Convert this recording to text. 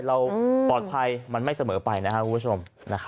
เราปลอดภัยมันไม่เสมอไปนะครับคุณผู้ชม